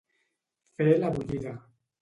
Fer la bullida.